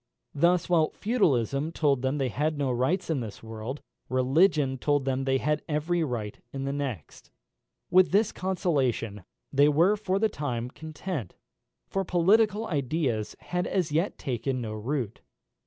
Thus, while Feudalism told them they had no rights in this world, Religion told them they had every right in the next. With this consolation they were for the time content, for political ideas had as yet taken no root.